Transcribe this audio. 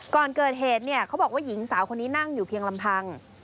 ก่อนเกิดเหตุเนี่ยเขาบอกว่าหญิงสาวคนนี้นั่งอยู่เพียงลำพัง